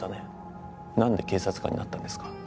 なんで警察官になったんですか？